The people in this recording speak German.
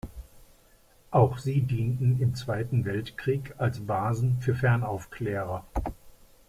Auch sie dienten im Zweiten Weltkrieg als Basen für Fernaufklärer.